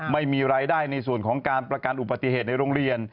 ไม่มีรายได้ในส่วนของการประกันอุบัติเหตุในโรงเรียน